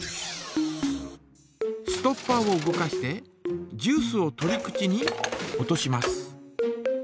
ストッパーを動かしてジュースを取り口に落とします。